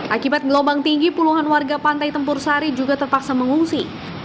akibat gelombang tinggi puluhan warga pantai tempur sari juga terpaksa mengungsi